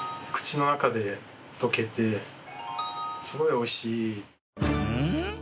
口の中で溶けてすごいおいしい。